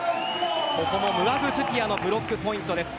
ここもムアグトゥティアのブロックポイントです。